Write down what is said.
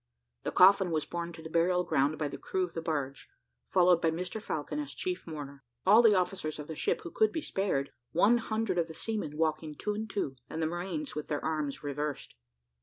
The coffin was borne to the burial ground by the crew of the barge, followed by Mr Falcon as chief mourner, all the officers of the ship who could be spared, one hundred of the seamen walking two and two, and the marines with their arms reversed.